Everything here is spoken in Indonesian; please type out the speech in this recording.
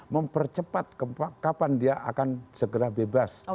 mempercepat kapan dia akan segera bebas